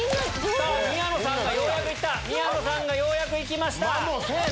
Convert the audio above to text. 宮野さんがようやくいった宮野さんがようやくいきました。